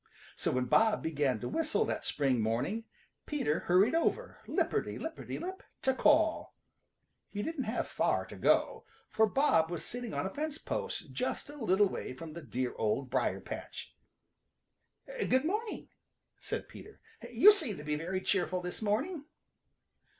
So when Bob began to whistle that spring morning Peter hurried over, lipperty lipperty lip, to call. He didn't have far to go, for Bob was sitting on a fence post just a little way from the dear Old Briar patch. "Good morning," said Peter. "You seem to be very cheerful this morning."